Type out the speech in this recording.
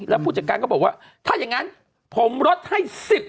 แล้วผู้จัดการก็บอกว่าถ้าอย่างนั้นผมลดให้๑๐